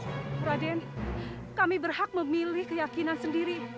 pak raden kami berhak memilih keyakinan sendiri